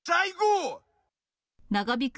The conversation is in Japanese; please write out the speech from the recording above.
長引く